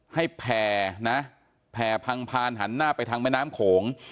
แผ่นะแผ่พังพานหันหน้าไปทางแม่น้ำโขง